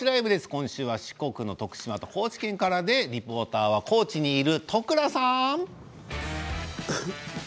今週は四国の徳島と高知県からでリポーターは高知にいる都倉さん！